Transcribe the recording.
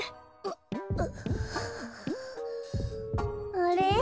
あれ？